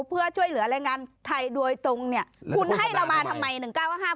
เพื่อช่วยเหลือแรงงานไทยโดยตรงเนี่ยคุณให้เรามาทำไม๑๙๙